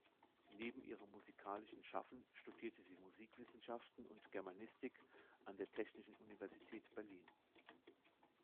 Neben ihrem musikalischen Schaffen studierte sie Musikwissenschaften und Germanistik an der Technischen Universität Berlin.